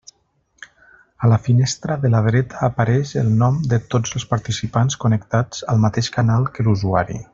A la finestra de la dreta apareix el nom de tots els participants connectats al mateix canal que l'usuari.